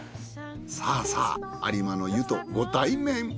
さぁさぁ有馬の湯とご対面。